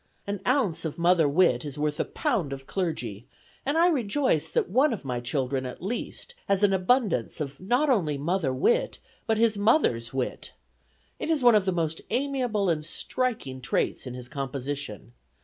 An ounce of mother wit is worth a pound of clergy; and I rejoice that one of my children, at least, has an abundance of not only mother wit, but his mother's wit. It is one of the most amiable and striking traits in his composition.